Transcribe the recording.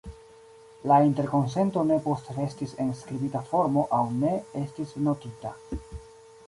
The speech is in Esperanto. La interkonsento ne postrestis en skribita formo aŭ ne estis notita.